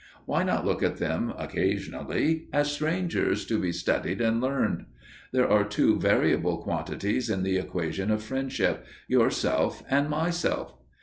Why not look at them, occasionally, as strangers to be studied and learned? There are two variable quantities in the equation of friendship, Yourself and Myself.